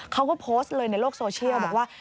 เขาก็โพสต์เลยในโลกโซเชียลบอกว่า